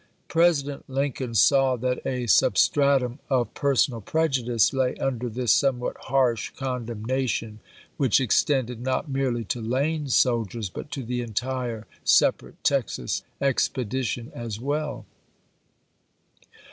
President Lincoln saw that a substratum of personal prejudice lay under this somewhat harsh condemnation, which extended not merely to Lane's soldiers, but to the entire separate Texas expedition as well.